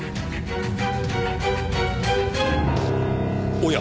おや！